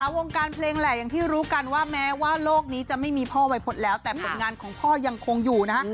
วงการเพลงแหละอย่างที่รู้กันว่าแม้ว่าโลกนี้จะไม่มีพ่อวัยพจน์แล้วแต่ผลงานของพ่อยังคงอยู่นะฮะ